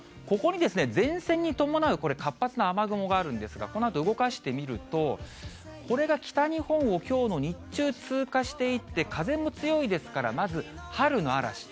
ここに前線に伴うこれ、活発な雨雲があるんですが、このあと動かしてみると、これが北日本を、きょうの日中通過していって、風も強いですから、まず春の嵐。